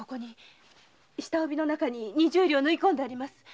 下帯の中に二十両縫い込んであります。